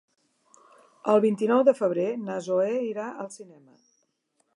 El vint-i-nou de febrer na Zoè irà al cinema.